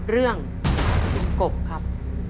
เรื่องคุณกบครับ